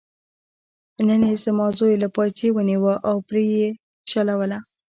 نن یې زما زوی له پایڅې ونیوه او پرې یې شلوله.